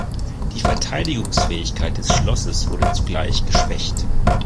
Die Verteidigungsfähigkeit des Schlosses wurde zugleich geschwächt.